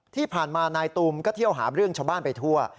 ที่ผ่านมานายตูมก็เที่ยวหาเรื่องชาวบ้านไปทั่ว